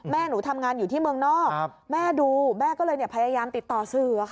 แม่หนูทำงานอยู่ที่เมืองนอกแม่ดูแม่ก็เลยพยายามติดต่อสื่อ